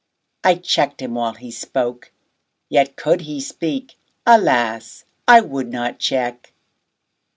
I check'd him while he spoke; yet, could he speak, Alas! I would not check.